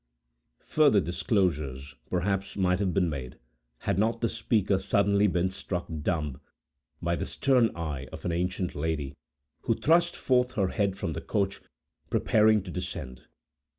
Further disclosures, perhaps, might have been made, had not the speaker suddenly been struck dumb, by the stern eye of an ancient lady, who thrust forth her head from the coach, preparing to descend.